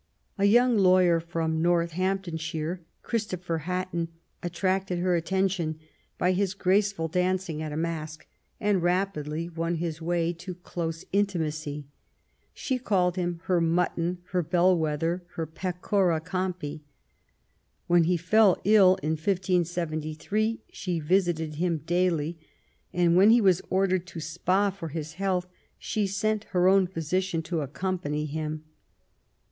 A young lawyer from Northamptonshire, Christopher Hatton, attracted her attention by his graceful dan cing at a masque, and rapidly won his way to close intimacy. She called him her '* Mutton," her " Bell wether," her pecora campi ". When he fell ill, in 1573, she visited him daily ; and when he was ordered to Spa for his health she sent her own physician to accompany him.